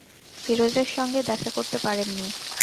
ফিরোজের সঙ্গে দেখা করতে পারেন নি।